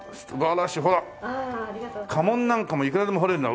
家紋なんかもいくらでも彫れるね。